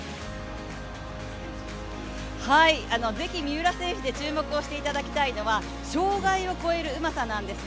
ぜひ三浦選手で注目をしていただきたいのは障害を越えるうまさなんです。